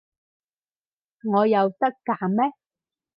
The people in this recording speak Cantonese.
我有得揀咩？